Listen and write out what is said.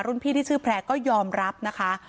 พี่ที่ชื่อแพร่ก็ยอมรับนะคะ